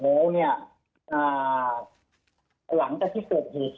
คือเป็นรายได้หลักขึ้นกับครอบครัวทีนี้เรือเกิดเหตุเนี่ย